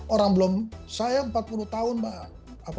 orang belum saya empat puluh tahun mbak